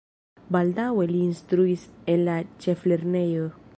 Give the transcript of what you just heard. Baldaŭe li instruis en la ĉeflernejo.